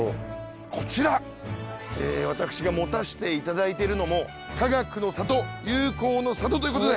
こちら私が持たせていただいてるのも「かがくの里友好の里」ということで。